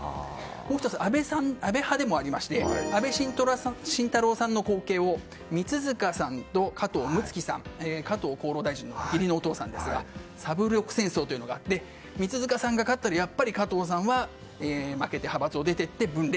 もう１つ、安倍派でもありまして安倍晋太郎さんの後継を三塚さんと加藤六月さん加藤厚労大臣の義理のお父さんですが三塚さんが勝ったらやっぱり加藤さんは負けて派閥を出て行くと。